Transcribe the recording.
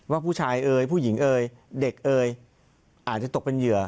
ว่าผู้ชายเอ๋ยผู้หญิงเอ่ยเด็กเอยอาจจะตกเป็นเหยื่อ